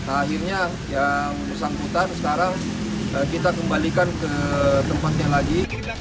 akhirnya yang bersangkutan sekarang kita kembalikan ke tempatnya lagi